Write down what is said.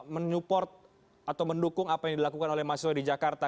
menyuport atau mendukung apa yang dilakukan oleh mahasiswa di jakarta